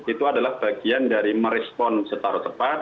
itu adalah bagian dari merespon setara tepat